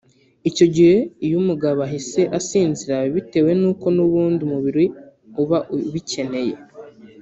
Icyo gihe iyo umugabo ahise asinzira biba bitewe n’uko n’ubundi umubiri uba ubikeneye